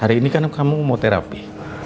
hari ini kan kamu mau terapi